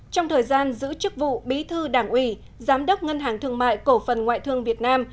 trong thời gian giữ chức vụ bí thư đảng ủy giám đốc ngân hàng thương mại cổ phần ngoại thương việt nam